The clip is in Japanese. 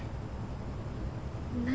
何？